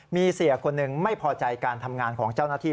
มีเสียคนหนึ่งไม่พอใจการทำงานของเจ้าหน้าที่